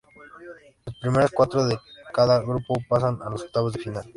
Los primeros cuatro de cada grupo pasan a los octavos de final.